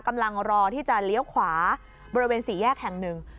กำลังรอที่จะเลี้ยวขวาบริเวณสี่แยกแห่งหนึ่ง